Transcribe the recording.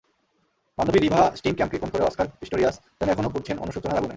বান্ধবী রিভা স্টিনক্যাম্পকে খুন করে অস্কার পিস্টোরিয়াস যেন এখনো পুড়ছেন অনুশোচনার আগুনে।